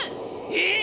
えっ？